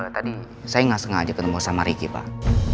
tadi saya nggak sengaja ketemu sama ricky pak